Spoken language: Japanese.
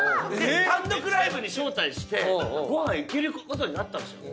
単独ライブに招待してごはん行ける事になったんですよ